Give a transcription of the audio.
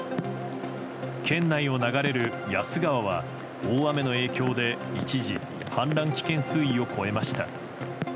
県内を流れる夜須川は大雨の影響で一時、氾濫危険水位を超えました。